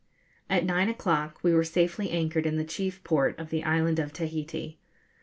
] At nine o'clock we were safely anchored in the chief port of the island of Tahiti.